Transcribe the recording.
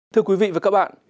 thưa quý vị và các bạn